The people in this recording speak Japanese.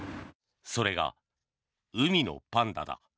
それが、海のパンダだ。